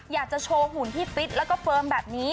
อยากจะโชว์หุ่นที่ฟิตแล้วก็เฟิร์มแบบนี้